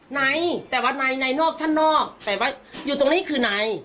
ไหนแต่วันไหนไหนนอกท่านนอกแต่ว่าอยู่ตรงนี้คือไหน